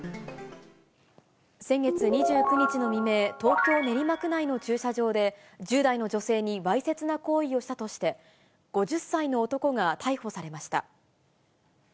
先月２９日の未明、東京・練馬区内の駐車場で、１０代の女性にわいせつな行為をしたとして、５０歳の男が逮捕されました。